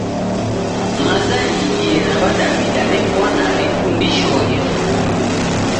Maza riidie ra w'adawida refwana rifundishoghe skulu.